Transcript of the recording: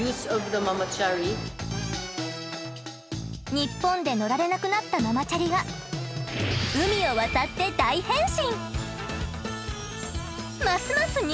ニッポンで乗られなくなったママチャリが海を渡って大変身！